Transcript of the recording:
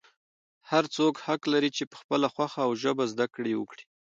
هر څوک حق لري چې په خپله خوښه او ژبه زده کړه وکړي.